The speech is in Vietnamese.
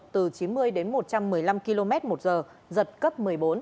từ chín mươi đến một trăm một mươi năm km một giờ giật cấp một mươi bốn